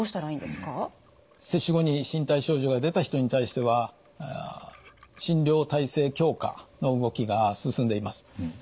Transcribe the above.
接種後に身体症状が出た人に対しては診療体制強化の動きが進んでいます。